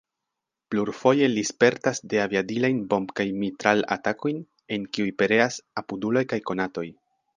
Plurfoje li spertas deaviadilajn bomb- kaj mitral-atakojn, en kiuj pereas apuduloj kaj konatoj.